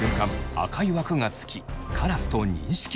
赤い枠がつきカラスと認識。